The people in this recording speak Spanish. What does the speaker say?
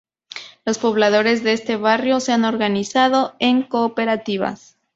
Los pobladores de este barrio se han organizado en cooperativas.